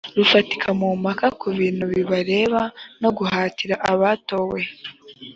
rufatika mu mpaka ku bintu bibareba no guhatira abatowe